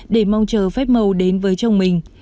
để mong chờ phép màu đến với chồng mình